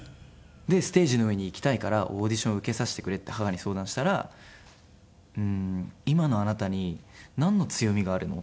でステージの上に行きたいからオーディションを受けさせてくれって母に相談したら「今のあなたになんの強みがあるの？」